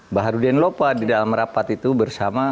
mbah rudin lopa di dalam rapat itu bersama